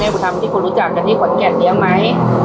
แม่ก็ทำที่คนรู้จักกันที่ขวัญแก่เลี้ยงไหม